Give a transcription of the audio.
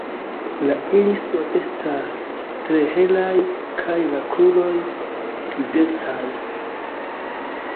La irisoj estas tre helaj kaj la kruroj grizecaj.